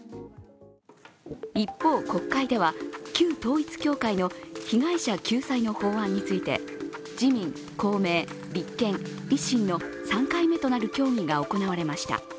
一方、国会では旧統一教会の被害者救済の法案について自民・公明・立憲・維新の３回目となる協議が行われました。